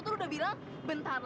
aku sudah selesai